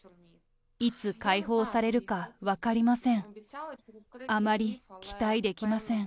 いつ解放されるか分かりません。